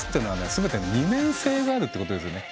全て二面性があるっていうことですよね。